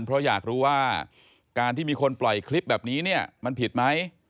เพราะอยากรู้ว่าการที่มีคนปล่อยคลิปแบบนี้เนี่ยมันผิดไหม